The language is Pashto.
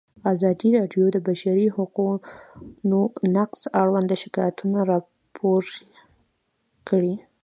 ازادي راډیو د د بشري حقونو نقض اړوند شکایتونه راپور کړي.